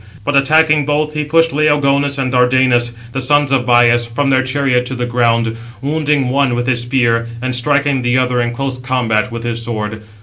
But attacking both, he pushed Laogonus and Dardanus, the sons of Bias, from their chariot to the ground, wounding one with his spear, and striking the other in close combat with his sword.